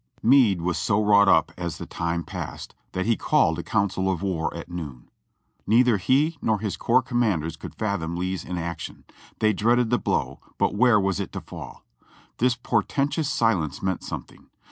Meade was so wrought up as the time passed, that he called a council of war at noon. Neither he nor his corps commanders could fathom Lee's inaction ; they dreaded the blow, but where was it to fall? This portentous silence meant something.